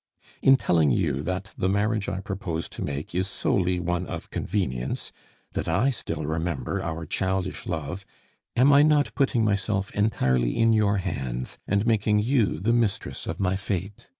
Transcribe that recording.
In telling you that the marriage I propose to make is solely one of convenience, that I still remember our childish love, am I not putting myself entirely in your hands and making you the mistress of my fate?